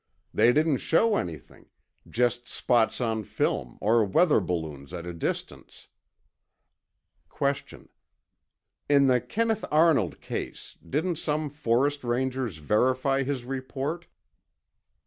They didn't show anything, just spots on film or weather balloons at a distance. Q. In the Kenneth Arnold case, didn't some forest rangers verify his report?